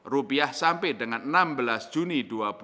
rupiah sampai dengan enam belas juni dua ribu dua puluh